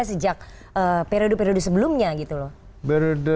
berdezaman kemerdekaan yang sudah ada zaman juga kartus wirjo juga terjadi dan itu terus ya dulu